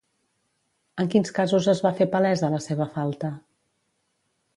En quins casos es va fer palesa la seva falta?